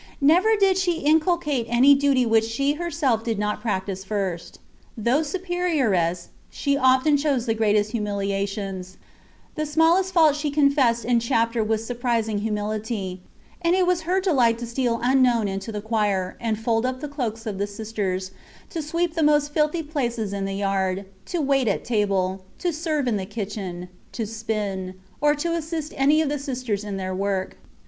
Never did she in culcate any duty which she herself did not practise first. Though superioress, she often chose the greatest hiuni liations : the smallest fault she confessed in chapter with surprising humility ; and it was her delight to steal unknown into the choir, and fold up the cloaks of the sisters, to sweep the most filthy places in the yard, to wait at table, to serve in the kitchen, to spin, or to assist any of the Sisters in their work.